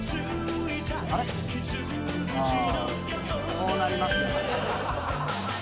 「こうなりますよ」